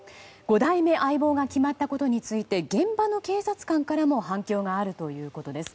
５代目相棒が決まったことについて現場の警察官からも反響があるということです。